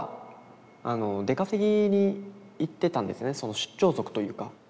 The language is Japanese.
出張族というか。